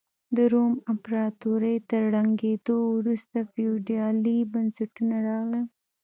د روم امپراتورۍ تر ړنګېدو وروسته فیوډالي بنسټونه راغلل.